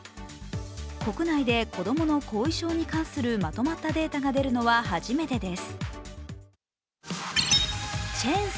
国内で子供の後遺症に関するまとまったデータが出るのは初めてです。